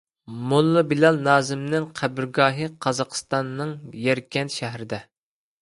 موللا بىلال نازىمىنىڭ قەبرىگاھى قازاقسىتاننىڭ يەركەنت شەھىرىدە.